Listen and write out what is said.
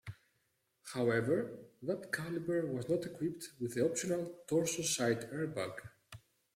However, that Caliber was not equipped with the optional torso side airbag.